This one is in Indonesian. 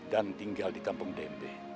dan tinggal di kampung dende